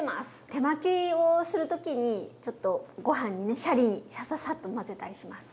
手巻きをする時にちょっとご飯にねシャリにサササッと混ぜたりします。